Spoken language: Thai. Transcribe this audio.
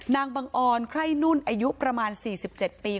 บังออนไข้นุ่นอายุประมาณ๔๗ปี